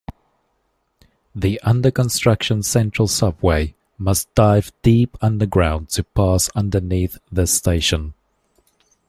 The under-construction Central Subway must dive deep underground to pass underneath this station.